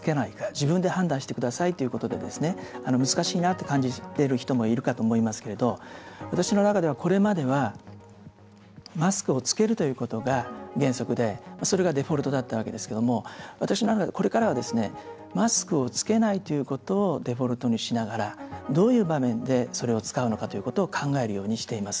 自分で判断してくださいということで難しいなと感じる方もいるかと思いますけど私の中では、これまではマスクをつけるということが原則でそれがデフォルトだったわけですけど私の中でこれからはマスクをつけないということをデフォルトにしながらどういう場面でそれを使うのかを考えるようにしています。